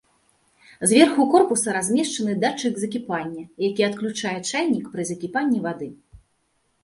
Зверху корпуса размешчаны датчык закіпання, які адключае чайнік пры закіпанні вады.